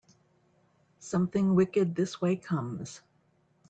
Something wicked this way comes